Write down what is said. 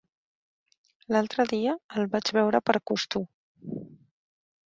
L'altre dia el vaig veure per Costur.